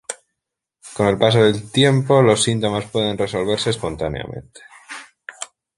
Con el paso del tiempo, los síntomas pueden resolverse espontáneamente.